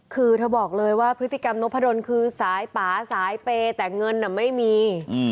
คือเธอบอกเลยว่าพฤติกรรมนกพะดนคือสายป่าสายเปย์แต่เงินไม่มี